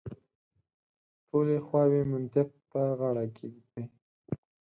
ټولې خواوې منطق ته غاړه کېږدي.